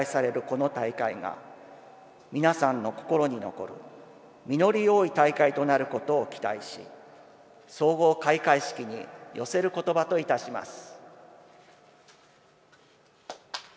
この大会が皆さんの心に残る実り多い大会となることを期待し総合開会式に寄せる言葉といたします。